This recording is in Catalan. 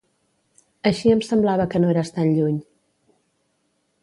Així em semblava que no eres tan lluny.